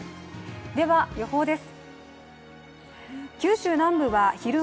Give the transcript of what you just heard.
では予報です。